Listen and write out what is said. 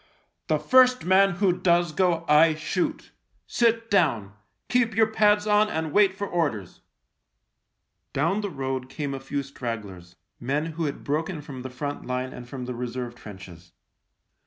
" The first man who does go I shoot. Sit down ! Keep your pads on, and wait for orders." 50 THE LIEUTENANT Down the road came a few stragglers — men who had broken from the front line and from the reserve trenches.